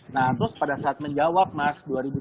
nah terus pada saat menjawab mas dua ribu dua puluh